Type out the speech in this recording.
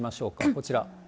こちら。